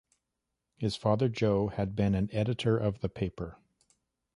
His father Joe has been an editor of the paper.